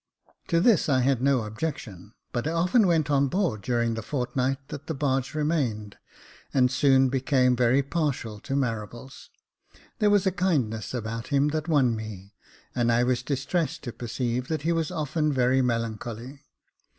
To this I had no objection ; but I often went on board during the fortnight that the barge remained, and soon J.F. D 50 Jacob Faithful became very partial to Marables. There was a kindness about him that won me, and I was distressed to perceive that he was often very melancholy.